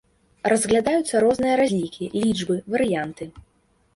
Разглядаюцца розныя разлікі, лічбы, варыянты.